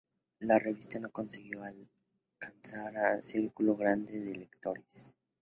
La revista no consiguió alcanzar a un círculo grande de lectores.